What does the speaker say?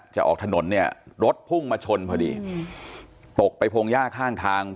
จะออกถนนเนี่ยรถพุ่งมาชนพอดีตกไปพงหญ้าข้างทาง